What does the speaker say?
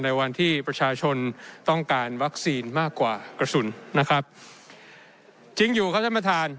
ในวันที่ประชาชนต้องการวัคซีนมากกว่ากระสุนนะครับจริงอยู่ครับท่านประธาน